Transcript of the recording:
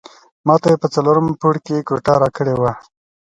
ماته یې په څلورم پوړ کې کوټه راکړې وه.